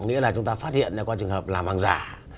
nghĩa là chúng ta phát hiện qua trường hợp là hàng giả